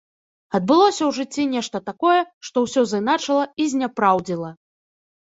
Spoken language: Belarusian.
Адбылося ў жыцці нешта такое, што ўсё зыначыла і зняпраўдзіла.